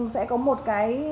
sẽ có một cái